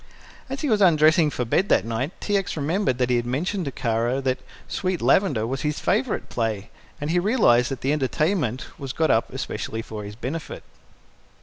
As he was undressing for bed that night T. X. remembered that he had mentioned to Kara that "Sweet Lavender" was his favorite play, and he realized that the entertainment was got up especially for his benefit.